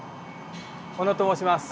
小野と申します。